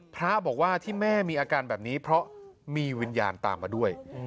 พระบอกว่าที่แม่มีอาการแบบนี้เพราะมีวิญญาณตามมาด้วย